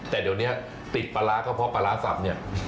แต่เดี๋ยวนี้ติดปลาร้าก็เพราะปลาร้าสับเนี่ย